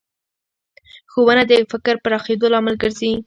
ښوونه د فکر پراخېدو لامل ګرځي